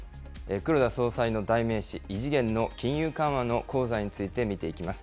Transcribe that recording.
黒田総裁の代名詞、異次元の金融緩和の功罪について見ていきます。